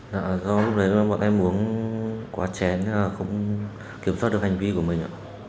dạ do lúc đấy em uống quá chén không kiểm soát được hành vi của mình